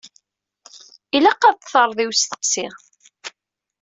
Ilaq ad d-terreḍ i usteqsi.